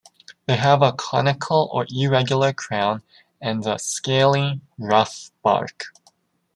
They have a conical or irregular crown and a scaly, rough bark.